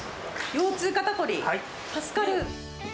腰痛、肩凝り、助かる。